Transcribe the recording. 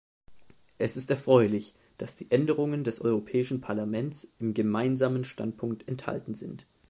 Es ist erfreulich, dass die Änderungen des Europäischen Parlaments im Gemeinsamen Standpunkt enthalten sind.